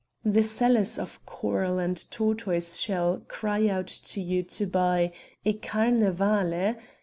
The sellers of coral and tortoise shell cry out to you to buy "e carnevale...."